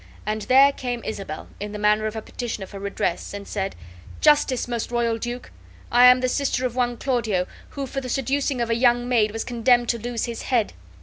And there came Isabel, in the manner of a petitioner for redress, and said: "Justice, most royal duke! I am the sister of one Claudio, who, for the seducing a young maid, was condemned to lose his head.